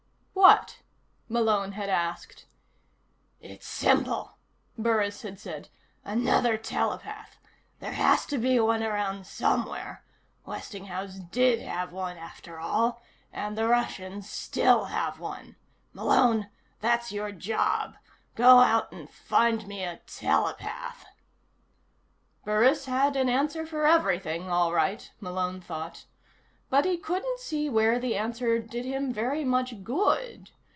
"What?" Malone had asked. "It's simple," Burris had said. "Another telepath. There has to be one around somewhere. Westinghouse did have one, after all, and the Russians still have one. Malone, that's your job: go out and find me a telepath." Burris had an answer for everything, all right, Malone thought. But he couldn't see where the answer did him very much good.